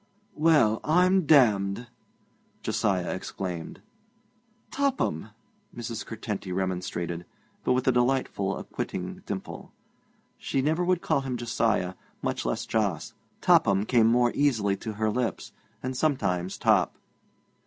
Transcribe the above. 'Well, I'm damned!' Josiah exclaimed. 'Topham!' Mrs. Curtenty remonstrated, but with a delightful acquitting dimple. She never would call him Josiah, much less Jos. Topham came more easily to her lips, and sometimes Top.